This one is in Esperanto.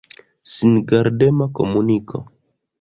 Singardema komuniko.